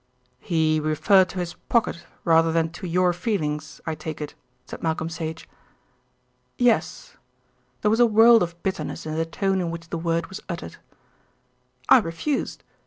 "He referred to his pocket rather than to your feelings, I take it?" said Malcolm Sage. "Yes." There was a world of bitterness in the tone in which the word was uttered. "I refused.